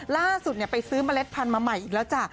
ล่าสุดไปซื้อเมล็ดพันธุ์มาใหม่อีกแล้วจ้ะ